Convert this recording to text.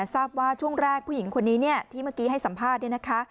ทราบว่าช่วงแรกผู้หญิงคนนี้ที่เมื่อกี้ให้สัมภาษณ์